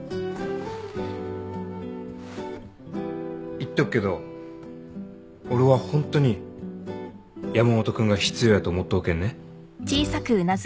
言っとくけど俺はホントに山本君が必要やと思っとうけんね。